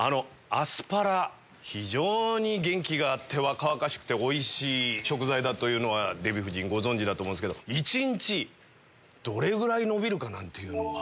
アスパラ非常に元気があって若々しくておいしい食材だとはデヴィ夫人ご存じだと思うんですけど一日どれぐらい伸びるかなんていうのは。